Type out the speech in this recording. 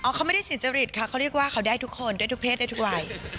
เขาไม่ได้สุจริตค่ะเขาเรียกว่าเขาได้ทุกคนได้ทุกเพศได้ทุกวัย